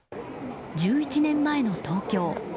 １１年前の東京。